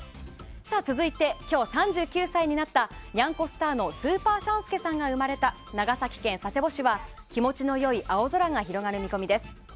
続いて、今日３９歳になったにゃんこスターのスーパー３助さんが生まれた長崎県佐世保市は気持ちの良い青空が広がる見込みです。